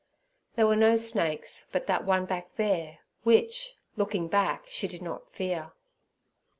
There were no snakes but that one back there, which, looking back, she did not fear.